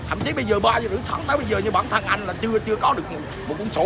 thậm chí bây giờ ba giờ sáng tới bây giờ như bản thân anh là chưa có được một con số